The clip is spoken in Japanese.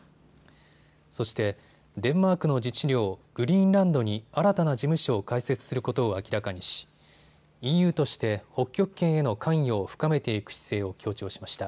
そしてデンマークの自治領、グリーンランドに新たな事務所を開設することを明らかにし、ＥＵとして北極圏への関与を深めていく姿勢を強調しました。